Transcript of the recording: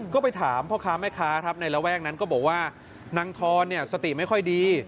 ก็ไปถามพ่อค้าแม่ค้าครับในระแวกนั้นก็บอกว่านางทอนเนี่ยสติไม่ค่อยดี